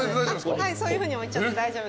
そういうふうに置いちゃって大丈夫です。